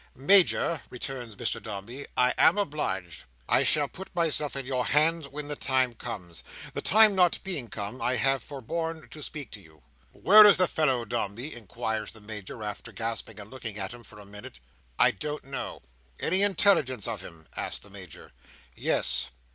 "Major," returns Mr Dombey, "I am obliged. I shall put myself in your hands when the time comes. The time not being come, I have forborne to speak to you." "Where is the fellow, Dombey?" inquires the Major, after gasping and looking at him, for a minute. "I don't know." "Any intelligence of him?" asks the Major. "Yes."